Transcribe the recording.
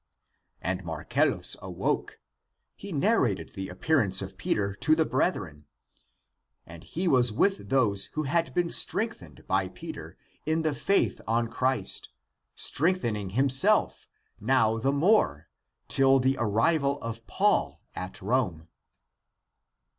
When Marcellus awoke, he narrated the appearance of Peter ^^^ to the brethren, and he was with those who had been strengthened by Peter in the faith on Christ, strengthening himself now the more till the arrival of Paul at Rome.